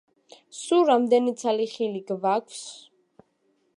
სულ რამდენი ცალი ხილი გვაქვს?